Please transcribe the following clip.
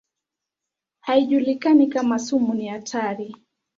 Haijulikani kama sumu ni hatari.